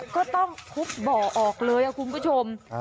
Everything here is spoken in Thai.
ก็ต้องทุบบ่อออกเลยคุณผู้ชม